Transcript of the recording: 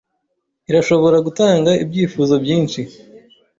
Irashobora gutanga ibyifuzo byinshi